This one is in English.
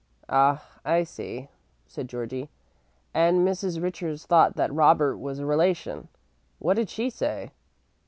"Ah, I see," said Georgie; "and Mrs. Richards thought that Robert was a relation. What did she say?"